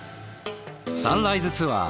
サンライズツアー